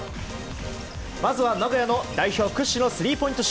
まずは名古屋の代表屈指のスリーポイント